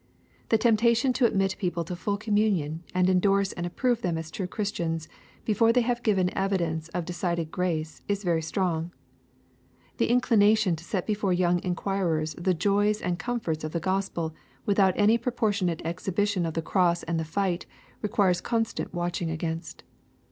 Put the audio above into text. The temptation to admit people to full communion, and endorse and approve them as true Christians, before they have given evi dence of decided grace, is very strong. The inclination to set be fore young enquirers the joys and comforts of the Gospel, without any proportionate exhibition of the cross and the fight, requires constant watching against.